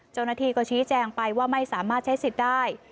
เจ้าหน้าที่ก็ชี้แจงไปว่าไม่สามารถใช้สิทธิ์ได้